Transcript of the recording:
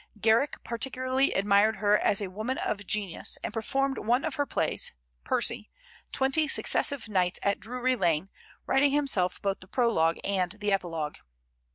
Garrick particularly admired her as a woman of genius, and performed one of her plays ("Percy") twenty successive nights at Drury Lane, writing himself both the prologue and the epilogue.